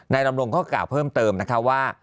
ดำรงเขากล่าวเพิ่มเติมนะคะว่า